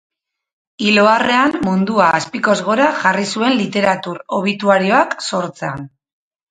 Hil-oharren mundua azpikoz gora jarri zuen literatur obituarioak sortzean.